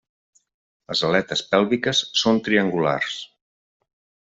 Les aletes pèlviques són triangulars.